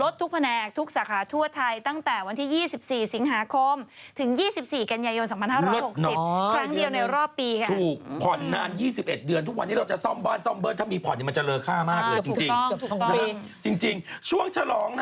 ทุกผ่อนนาน๒๑เดือนทุกวันจะซ่อมบ้านซ่อมเบิ้ลก็มีผ่อนจะเลอค่ามากจริง